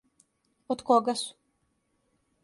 Од кога су?